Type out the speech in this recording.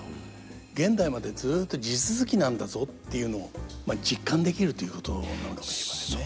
現代までずっと地続きなんだぞっていうのをまあ実感できるということなのかもしれませんね。